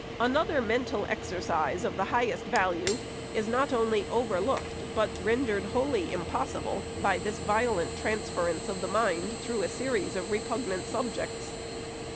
Another mental exercise of the highest value is not only overlooked, but rendered wholly impossible, by this violent transference of the mind through a series of repugnant subjects.